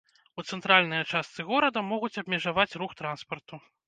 У цэнтральная частцы горада могуць абмежаваць рух транспарту.